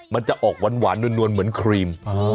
มันจะออกหวานนวลเหมือนครีม